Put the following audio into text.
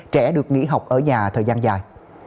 trẻ được nghỉ học ở nhà thời gian dài